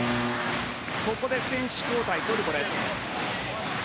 ここで選手交代、トルコです。